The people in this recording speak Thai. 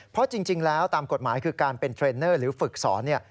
เพราะจริงแล้วตามกฎหมายคือการเป็นเทรนเนอร์หรือฝึกสอนเนี่ย